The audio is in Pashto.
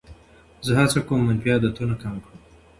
زه هڅه کوم منفي عادتونه کم کړم.